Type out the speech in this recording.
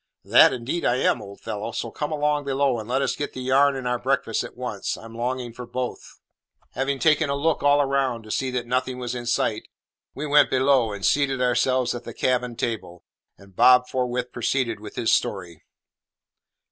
"That indeed I am, old fellow; so come along below, and let us get the yarn and our breakfasts at once; I am longing for both." Having taken a look all round, to see that nothing was in sight, we went below and seated ourselves at the cabin table, and Bob forthwith proceeded with his story.